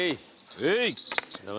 へい！